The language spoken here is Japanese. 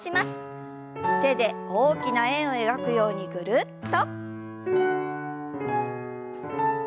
手で大きな円を描くようにぐるっと。